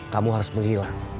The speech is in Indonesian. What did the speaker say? kamu harus menghilang